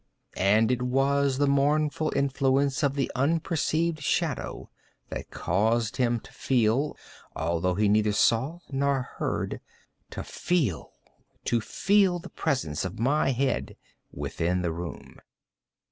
And it was the mournful influence of the unperceived shadow that caused him to feel—although he neither saw nor heard—to feel the presence of my head within the room.